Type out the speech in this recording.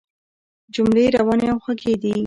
جملې روانې او خوږې دي.